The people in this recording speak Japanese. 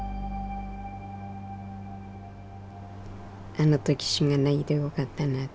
あの時死なないでよかったな。